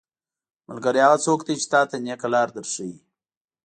ملګری هغه څوک دی چې تاته نيکه لاره در ښيي.